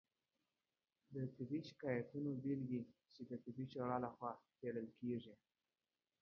طبي شکایتونو بیلګې چې د طبي شورا لخوا څیړل کیږي